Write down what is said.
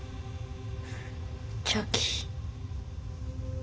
チョキ。